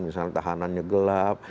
misalnya tahanannya gelap